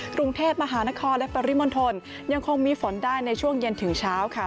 กรุงเทพมหานครและปริมณฑลยังคงมีฝนได้ในช่วงเย็นถึงเช้าค่ะ